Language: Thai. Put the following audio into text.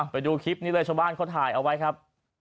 ไปดูคลิปนี้เลยชาวบ้านเขาถ่ายเอาไว้ครับ